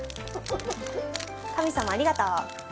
神様、ありがとう。